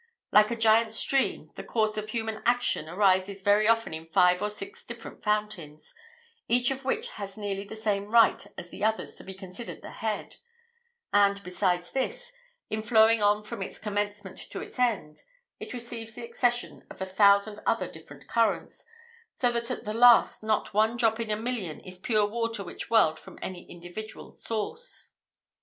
Like a great stream, the course of human action arises very often in five or six different fountains, each of which has nearly the same right as the others to be considered the head: and besides this, in flowing on from its commencement to its end, it receives the accession of a thousand other different currents, so that at the last not one drop in a million is the pure water which welled from any individual source.